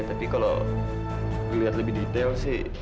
tapi kalau melihat lebih detail sih